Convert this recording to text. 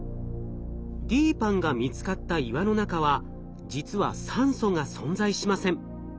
ＤＰＡＮＮが見つかった岩の中は実は酸素が存在しません。